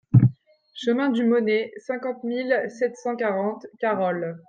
Chemin du Maunet, cinquante mille sept cent quarante Carolles